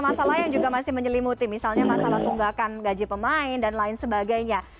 masalah yang juga masih menyelimuti misalnya masalah tunggakan gaji pemain dan lain sebagainya